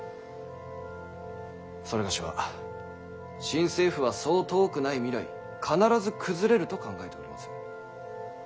某は新政府はそう遠くない未来に必ず崩れると考えております。